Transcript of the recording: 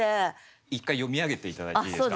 一回読み上げて頂いていいですか？